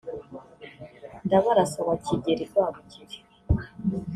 Ndabarasa wa Kigeli Rwabugili